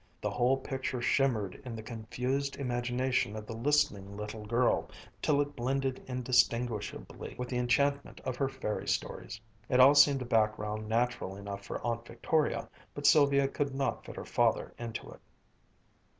The whole picture shimmered in the confused imagination of the listening little girl, till it blended indistinguishably with the enchantment of her fairy stories. It all seemed a background natural enough for Aunt Victoria, but Sylvia could not fit her father into it.